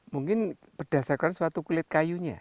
mungkin berdasarkan suatu kulit kayunya